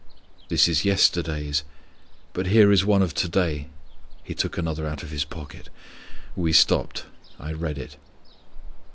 "This is yesterday's, but here is one of to day." He took another out of his pocket. We stopped. I read it.